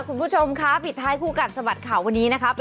คุณผู้ชมครับอีทไทก์คู่กันสะบัดข่าววันนี้นะครับ